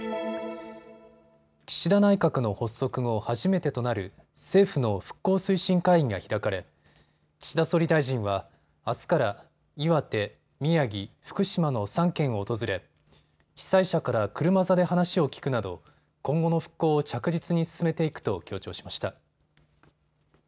岸田内閣の発足後、初めてとなる政府の復興推進会議が開かれ岸田総理大臣はあすから岩手、宮城、福島の３県を訪れ、被災者から車座で話を聴くなど今後の復興を着実に進めていくと強調しました。